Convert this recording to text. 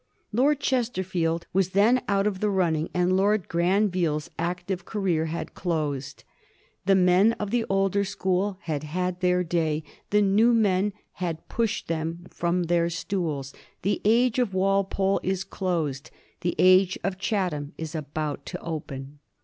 Lord Chesterfield was then out of the running, and Lord Granville's active career had closed. The men of the older school had had their day; the new men had pushed them from their stools. The age of Walpole is closed. The age of Chatham is about to open.